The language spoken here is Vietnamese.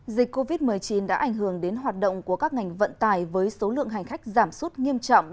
dịch covid một mươi chín đã ảnh hưởng đến hoạt động của các ngành vận tải với số lượng hành khách giảm sút nghiêm trọng